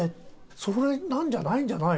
それなんじゃないんじゃないの？